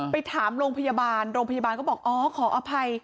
ไปถามโรงพยาบาลโรงพยาบาลก็บอกอ๋อขออภัย